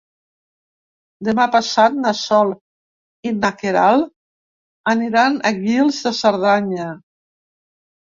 Demà passat na Sol i na Queralt aniran a Guils de Cerdanya.